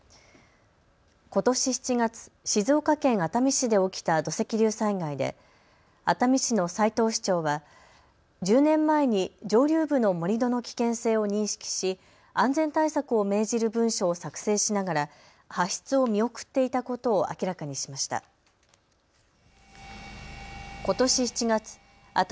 ことし７月、静岡県熱海市で起きた土石流災害で熱海市の斉藤市長は１０年前に上流部の盛り土の危険性を認識し安全対策を命じる文書を作成しながら発出を見送っていたことを明らかにしました。